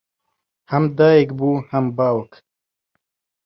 ھەم دایک بوو ھەم باوک